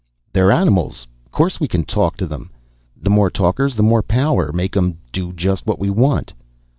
"They're animals ... course we can talk t'them. Th'more talkers, th'more power. Make 'em do just what we want."